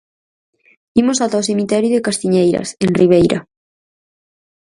Imos ata o cemiterio de Castiñeiras., en Ribeira.